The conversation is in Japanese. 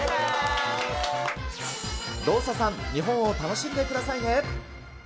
ローサさん、日本を楽しんでくださいね。